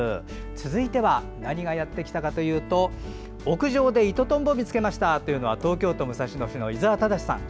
続いては何がやってきたかというと屋上でイトトンボを見つけましたという東京都武蔵野市の伊澤忠さん。